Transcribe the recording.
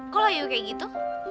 kok layu kayak gitu